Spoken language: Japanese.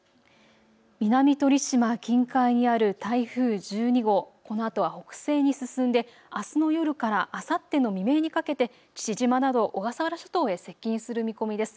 南鳥島近海にある台風１２号、このあとは北西に進んであすの夜からあさっての未明にかけて父島など小笠原諸島へ接近する見込みです。